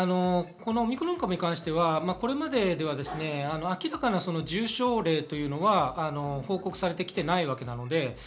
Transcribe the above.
オミクロン株に対しては明らかな重症例というのは報告されてきていないわけです。